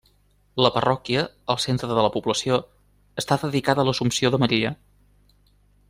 La parròquia, al centre de la població, està dedicada a l'Assumpció de Maria.